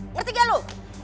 ngerti gak lo